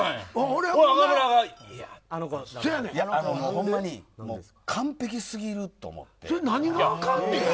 ほんまに完璧過ぎると思って。